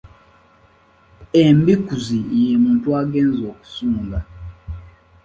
Embikuzi ye muntu agenze okusunga.